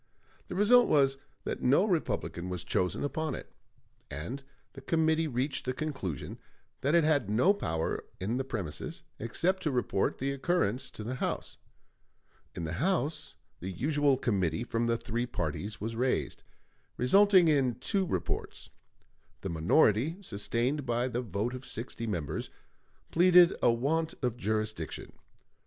The result was that no Republican was chosen upon it; and the committee reached the conclusion that it had no power in the premises, except to report the occurrence to the House. In the House the usual committee from the three parties was raised, resulting in two reports. The minority, sustained by the vote of sixty members, pleaded a want of jurisdiction.